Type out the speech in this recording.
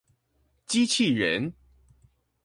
機器人